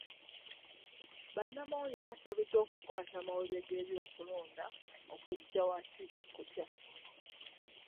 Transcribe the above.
Bannamawulire basabiddwa okukwata amawulire g'ebyokulonda okujja awati kutya.